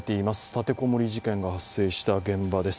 立てこもり事件が発生した現場です。